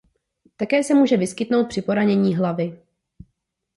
Také se může vyskytnout při poranění hlavy.